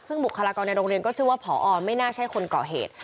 ซึ่งบุคลากรในโรงเรียนก็เชื่อว่าพอไม่น่าใช่คนก่อเหตุ